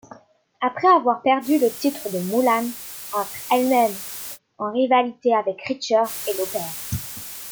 Après avoir perdu le titre, Moolah entre elle-même en rivalité avec Richter et Lauper.